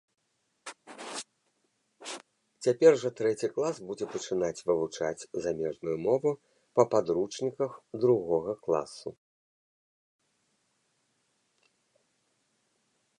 Цяпер жа трэці клас будзе пачынаць вывучаць замежную мову па падручніках другога класу.